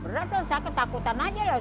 beneran saya ketakutan aja lah